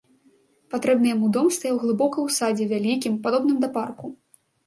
Патрэбны яму дом стаяў глыбока ў садзе, вялікім, падобным да парку.